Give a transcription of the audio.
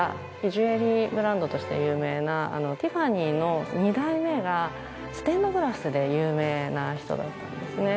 ジュエリーブランドとして有名なティファニーの２代目がステンドグラスで有名な人だったんですね。